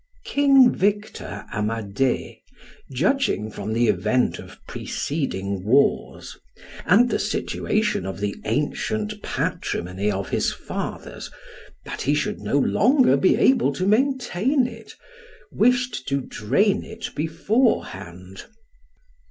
King Victor Amadeus, judging by the event of preceding wars, and the situation of the ancient patrimony of his fathers, that he should not long be able to maintain it, wished to drain it beforehand.